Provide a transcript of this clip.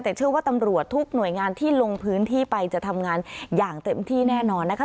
แต่เชื่อว่าตำรวจทุกหน่วยงานที่ลงพื้นที่ไปจะทำงานอย่างเต็มที่แน่นอนนะคะ